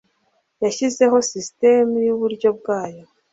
Yashyizeho sisitemu yuburyo bwayo